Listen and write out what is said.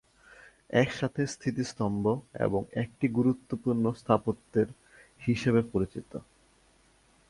একসাথে স্মৃতিস্তম্ভ এবং একটি গুরুত্বপূর্ণ স্থাপত্যের হিসাবে পরিচিত।